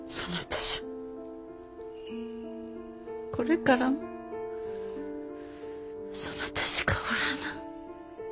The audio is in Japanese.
これからもそなたしかおらぬ。